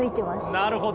なるほど。